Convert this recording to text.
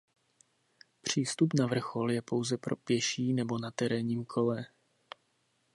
Přístup na vrchol je pouze pro pěší nebo na terénním kole.